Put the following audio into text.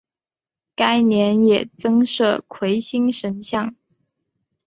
该年也增设魁星神像。